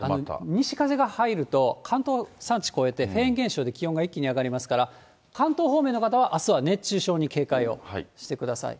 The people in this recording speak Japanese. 西風が入ると関東山地越えてフェーン現象で気温が一気に上がりますから、関東方面の方は、あすは熱中症に警戒をしてください。